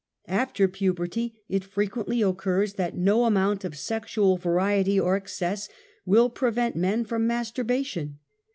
After puberty it frequently occurs that no amount of sexual variety or excess will prevent men from masturbation.